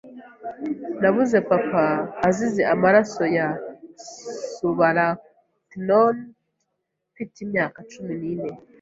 Nabuze papa azize amaraso ya subarachnoid mfite imyaka cumi nine.